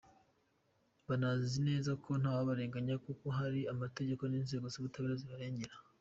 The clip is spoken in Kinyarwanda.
Banazi neza ko ntawaberenganya kuko hari amategeko n’inzego z’ubutabera zibarengera.